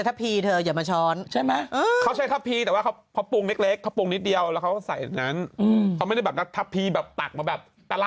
แต่ร้านนั้นนะครับภาพคือเยอะจริงภาพ๐๒บาท